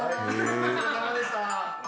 お疲れさまでした。